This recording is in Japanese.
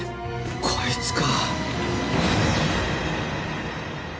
こいつか！